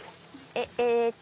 ええっと。